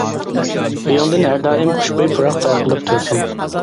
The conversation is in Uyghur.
ئۆيۈڭدىن ھەر دائىم خۇشبۇي پۇراق تارقىلىپ تۇرسۇن.